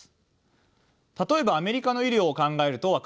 例えばアメリカの医療を考えると分かりやすいでしょう。